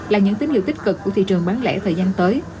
là những tín hiệu tích cực của thị trường bán lẻ thời gian tới